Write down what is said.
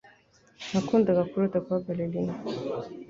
Nakundaga kurota kuba ballerina.